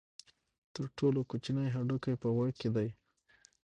تر ټولو کوچنی هډوکی په غوږ کې دی.